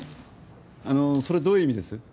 あの、それどういう意味です？